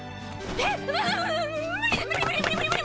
えっ！